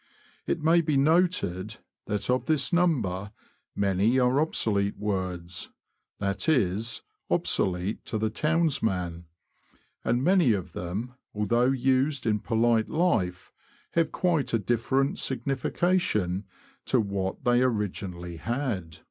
It may be noted, that of this number many are obsolete words — that is, obsolete to the townsman ; and many of them, although used in polite life, have quite a different signification to what they originally had.